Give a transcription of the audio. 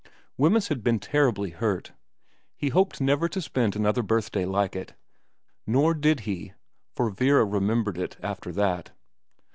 Wemyss had been terribly hurt. He hoped never to spend another birthday like it. Nor did he, for Vera remembered it after that.